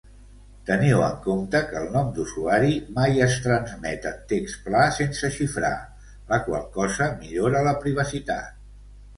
Teniu en compte que el nom d'usuari mai es transmet en text pla sense xifrar, la qual cosa millora la privacitat.